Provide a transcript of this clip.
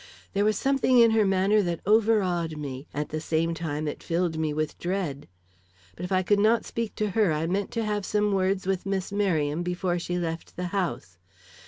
There was something in her manner that overawed me, at the same time it filled me with dread. But if I could not speak to her I meant to have some words with Miss Merriam before she left the house.